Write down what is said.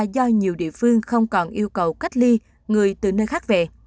do nhiều địa phương không còn yêu cầu cách ly người từ nơi khác về